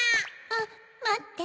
あっまって。